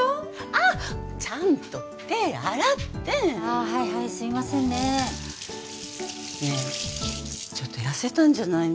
あっちゃんと手洗ってもうあはいはいすいませんねねえちょっと痩せたんじゃないの？